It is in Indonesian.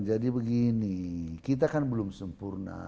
jadi begini kita kan belum sempurna